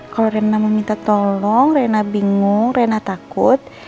kalau renna mau minta tolong renna bingung renna takut